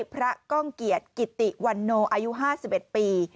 ก้องเกียรติกิติวันโนอายุ๕๑ปี